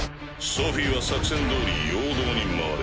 ソフィは作戦どおり陽動に回れ。